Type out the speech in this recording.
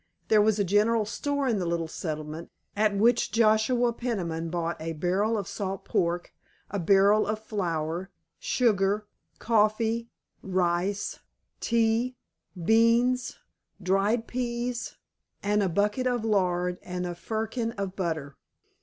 There was a general store in the little settlement, at which Joshua Peniman bought a barrel of salt pork, a barrel of flour, sugar, coffee, rice, tea, beans, dried peas, and a bucket of lard and a firkin of butter.